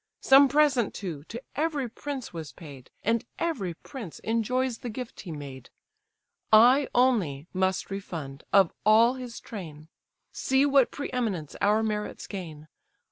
Some present, too, to every prince was paid; And every prince enjoys the gift he made: I only must refund, of all his train; See what pre eminence our merits gain!